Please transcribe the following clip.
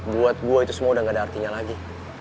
buat gue itu semua udah gak ada artinya lagi